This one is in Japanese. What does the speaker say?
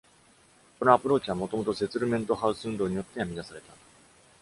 このアプローチは、もともとセツルメントハウス運動によって編み出された。